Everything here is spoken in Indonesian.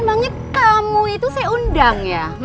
emangnya tamu itu saya undang ya